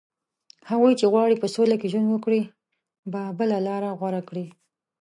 هغوی چې غواړي په سوله کې ژوند وکړي، به بله لاره غوره کړي